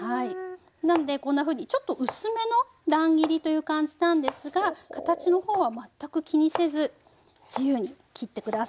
なのでこんなふうにちょっと薄めの乱切りという感じなんですが形の方は全く気にせず自由に切って下さい。